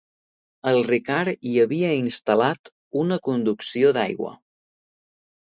El Ricard hi havia instal·lat una conducció d'aigua.